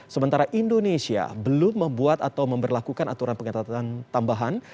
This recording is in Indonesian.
sementara indonesia belum membuat atau memperlakukan aturan pengetatan tambahan